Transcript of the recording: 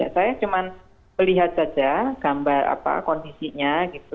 saya cuma melihat saja gambar kondisinya